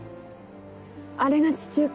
あれが地中海。